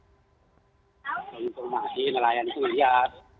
kalau menurut informasi nelayan itu melihat